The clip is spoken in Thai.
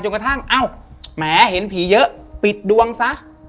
กระทั่งเอ้าแหมเห็นผีเยอะปิดดวงซะ